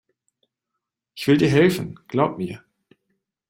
Ich will dir helfen, glaub mir.